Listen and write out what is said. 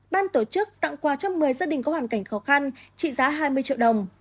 ban tổ chức tặng quà cho một mươi gia đình có hoàn cảnh khó khăn trị giá hai mươi triệu đồng